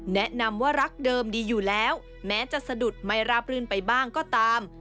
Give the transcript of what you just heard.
แนะนำว่ารักเดิมดีอยู่แล้วแม้จะสะดุดไม่ราบรื่นไปบ้างก็ตาม